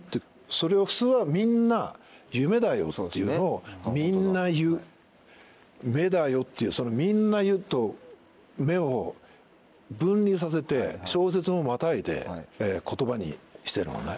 それを普通は「みんな夢だよ」っていうのを「みんなゆ」「めだよ」っていう「みんなゆ」と「め」を分離させて小節もまたいで言葉にしてるのね。